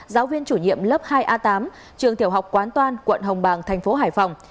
giáo viên chủ nhiệm lớp hai a tám trường tiểu học quán toan quận hồng bàng thành phố hải phòng